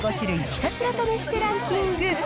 ひたすら試してランキング。